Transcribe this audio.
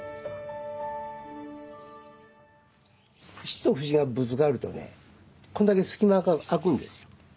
節と節がぶつかるとねこんだけ隙間が空くんですよ。